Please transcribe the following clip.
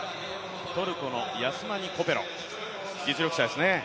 トルコのヤスマニ・コペロ実力者ですね。